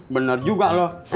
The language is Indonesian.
bener juga lo